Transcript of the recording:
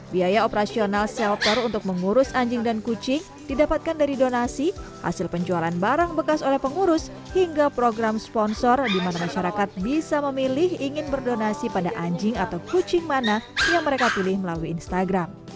biaya operasional shelter untuk mengurus anjing dan kucing didapatkan dari donasi hasil penjualan barang bekas oleh pengurus hingga program sponsor di mana masyarakat bisa memilih ingin berdonasi pada anjing atau kucing mana yang mereka pilih melalui instagram